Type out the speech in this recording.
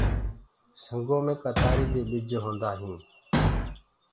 سنگو دي ڪتآري مي ڀج هوندآ هينٚ۔